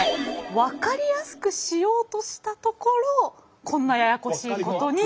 分かりやすくしようとしたところこんなややこしいことになってしまった。